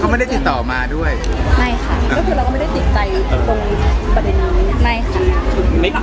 เขาไม่ได้ติดต่อมาด้วยไม่ค่ะแล้วก็ไม่ได้ติดใจตรงไม่ค่ะ